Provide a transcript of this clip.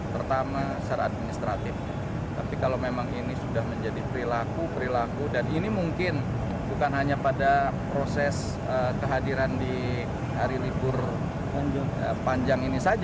pemecatnya karena sering membolos